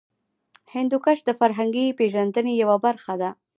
هندوکش د فرهنګي پیژندنې یوه برخه ده.